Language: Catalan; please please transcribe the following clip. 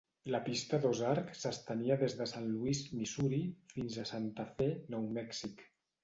La pista d'Ozark s'estenia des de Sant Louis, Missouri, fins a Santa Fe, Nou Mèxic.